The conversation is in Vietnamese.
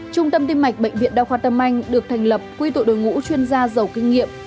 trung tâm tim mạch bệnh viện đa khoa tâm anh được thành lập quy tụ đội ngũ chuyên gia giàu kinh nghiệm